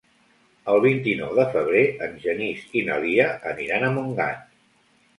El vint-i-nou de febrer en Genís i na Lia aniran a Montgat.